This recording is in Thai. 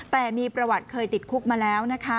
แต่มีประวัติเคยติดคุกมาแล้วนะคะ